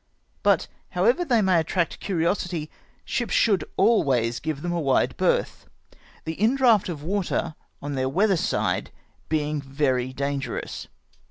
But, however they may attract cmiosity, ships should always give them a wdde berth, the m draught of water on their weather side being very dan gerous.